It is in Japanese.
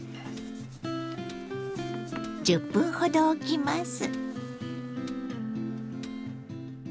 １０分ほどおきます。